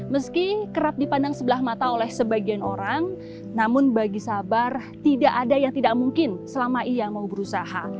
meski kerap dipandang sebelah mata oleh sebagian orang namun bagi sabar tidak ada yang tidak mungkin selama ia mau berusaha